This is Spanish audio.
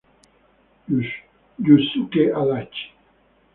Yusuke Adachi